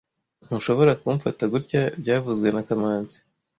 Ntushobora kumfata gutya byavuzwe na kamanzi